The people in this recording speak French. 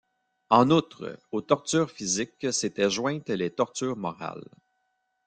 En outre, aux tortures physiques s’étaient jointes les tortures morales.